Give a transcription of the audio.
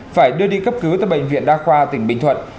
phải đưa đi cấp cứu tại bệnh viện đa khoa tỉnh bình thuận